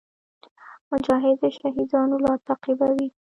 مجاهد د شهیدانو لار تعقیبوي.